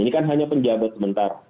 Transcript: ini kan hanya penjabat sementara